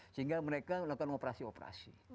sehingga mereka melakukan operasi operasi